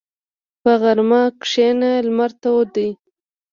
په غرمه کښېنه، لمر تود دی.